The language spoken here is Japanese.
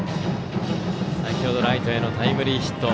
先程ライトへのタイムリーヒット。